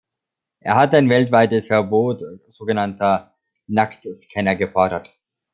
Er hat ein weltweites Verbot so genannter "Nacktscanner" gefordert.